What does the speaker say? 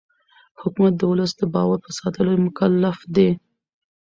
حکومت د ولس د باور په ساتلو مکلف دی